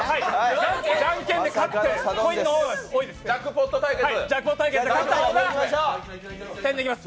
じゃんけんで勝ってコインの多い方が勝ちです。